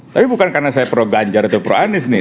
tapi bukan karena saya pro ganjar atau pro anies nih